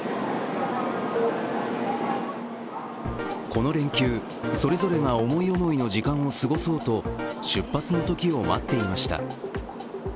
この連休、それぞれが思い思いの時間を過ごそうと出発の時を待っていました。